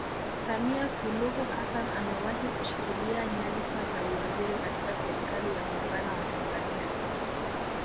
Samia Suluhu Hassan amewahi kushikilia nyadhifa za uwaziri katika serikali ya Muungano wa Tanzania